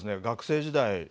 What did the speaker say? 学生時代